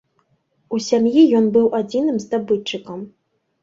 У сям'і ён быў адзіным здабытчыкам.